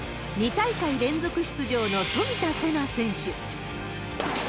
２大会連続出場の冨田せな選手。